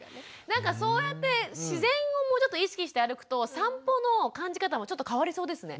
なんかそうやって自然をもうちょっと意識して歩くと散歩の感じ方もちょっと変わりそうですね。